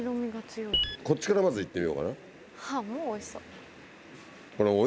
こっちからまず行ってみようかな。